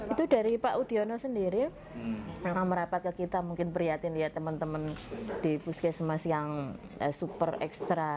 itu dari pak udiono sendiri memang merapat ke kita mungkin prihatin ya teman teman di puskesmas yang super ekstra